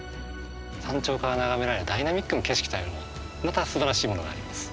山頂から眺められるダイナミックな景色というのもまたすばらしいものがあります。